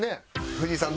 藤井さん